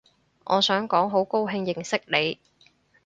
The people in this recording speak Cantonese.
我想講好高興認識你